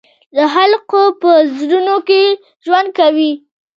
د خلقو پۀ زړونو کښې ژوند کوي،